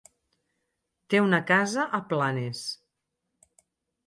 Té una casa a Planes.